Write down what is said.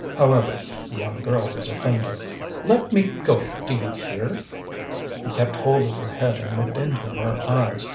However, the young girl was offended. "Let me go, do you hear?" He kept hold of her head and looked into her eyes.